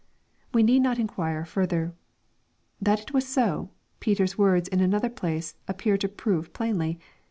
We need not inquire further. That it was so, Peter's words in another place appear to prove plainly.